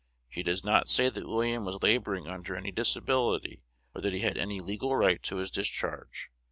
She does not say that William was laboring under any disability, or that he had any legal right to his discharge.